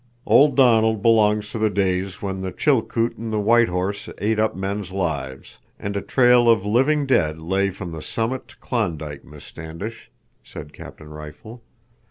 "Old Donald belongs to the days when the Chilkoot and the White Horse ate up men's lives, and a trail of living dead led from the Summit to Klondike, Miss Standish," said Captain Rifle.